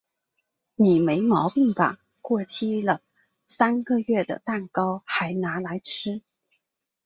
你没毛病吧？过期三个月了的蛋糕嗨拿来吃？